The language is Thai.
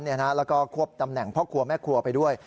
แล้วก็ควบตำแหน่งพ่อครัวแม่ครัวไปด้วย